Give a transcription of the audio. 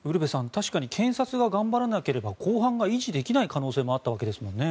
確かに検察が頑張らなければ公判が維持できない可能性もあったわけですもんね。